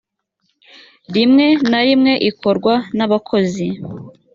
rimwe na rimwe ikorwa n abakozi